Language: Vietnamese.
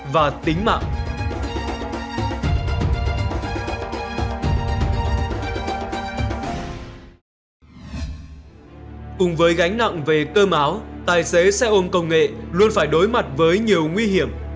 với gánh nặng về cơm áo tài xế xe ôm công nghệ luôn phải đối mặt với nhiều nguy hiểm